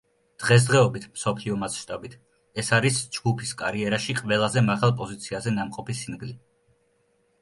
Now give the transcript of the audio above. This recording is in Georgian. დღესდღეობით მსოფლიო მასშტაბით, ეს არის ჯგუფის კარიერაში ყველაზე მაღალ პოზიციაზე ნამყოფი სინგლი.